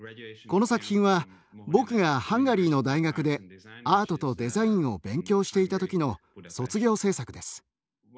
この作品は僕がハンガリーの大学でアートとデザインを勉強していた時の卒業制作です。